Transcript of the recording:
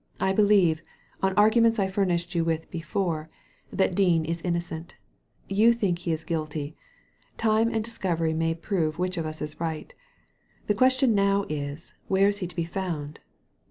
" I believe— on arguments I furnished you with before — that Dean is innocent You think he is guilty ; time and discovery may prove which of us is right The question now is, where is he to be found?"